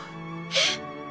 えっ！？